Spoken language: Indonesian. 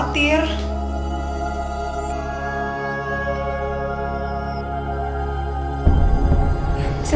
bunga itu anak kecil